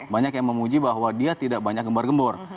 banyak yang memuji bahwa dia tidak banyak gembar gembor